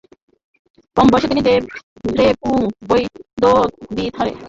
কম বয়সে তিনি দ্রেপুং বৌদ্ধবিহারে শিক্ষার্থী হিসেবে শপথ নেন।